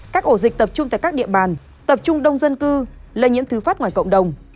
các ổ dịch tập trung tại các địa bàn tập trung đông dân cư lây nhiễm thứ phát ngoài cộng đồng